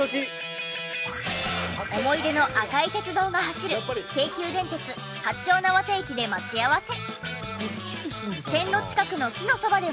思い出の赤い鉄道が走る京急電鉄八丁畷駅で待ち合わせ。